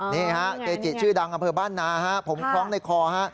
นี่ฮะเกจิชื่อดังอำเภอบ้านนาฮะผมคล้องในคอฮะ